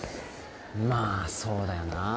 まあそうだよな。